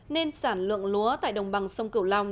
nên sản lượng lúa tại đồng bằng sông cửu long